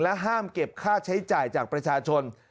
ห้ามเก็บค่าใช้จ่ายจากประชาชน